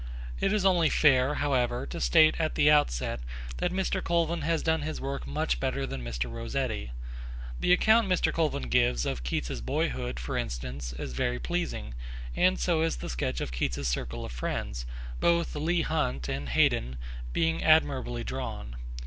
It is only fair, however, to state at the outset that Mr. Colvin has done his work much better than Mr. Rossetti. The account Mr. Colvin gives of Keats's boyhood, for instance, is very pleasing, and so is the sketch of Keats's circle of friends, both Leigh Hunt and Haydon being admirably drawn.